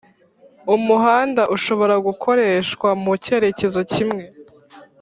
umuhanda ushobora gukoreshwa mu cyerekezo kimwe